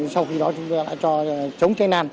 sau khi đó chúng ta đã cho chống cháy nan